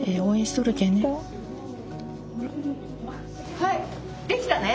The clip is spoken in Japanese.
はいできたね？